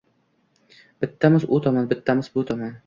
Bittamiz u tomon, bittamiz bu tomon…